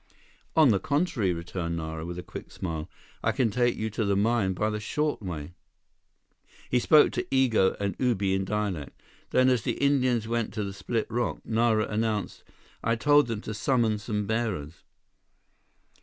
"On the contrary," returned Nara, with a quick smile, "I can take you to the mine by the short way." He spoke to Igo and Ubi in dialect; then, as the Indians went to the split rock, Nara announced, "I told them to summon some bearers."